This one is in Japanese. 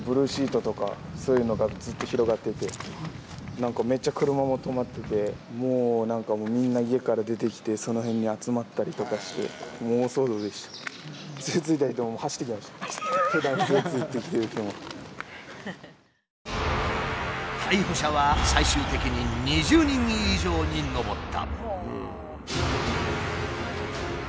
何かめっちゃ車も止まっててもう何かみんな家から出てきてその辺に集まったりとかして逮捕者は最終的に２０人以上に上った。